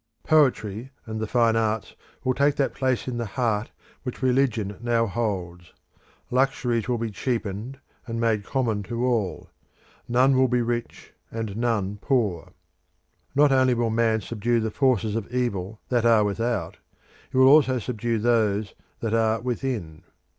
Poetry and the fine arts will take that place in the heart which religion now holds. Luxuries will be cheapened and made common to all; none will be rich, and none poor. Not only will Man subdue the forces of evil that are without; he will also subdue those that are within.